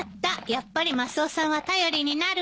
やっぱりマスオさんは頼りになるわ。